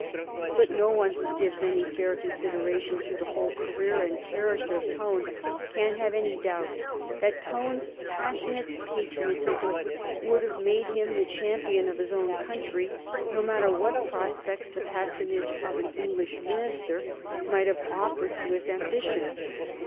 But no one who gives any fair consideration to the whole career and character of Tone can have any doubt that Tone's passionate patriotism would have made him the champion of his own country, no matter what prospects the patronage of an English minister might have offered to his ambition.